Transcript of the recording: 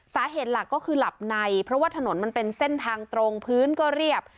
สาเหตุหลักก็คือหลับในเพราะว่าถนนมันเป็นเส้นทางตรงพื้นก็เรียบ